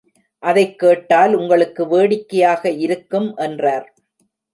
அதைக் கேட்டால் உங்களுக்கு வேடிக்கையாக இருக்கும் என்றார்.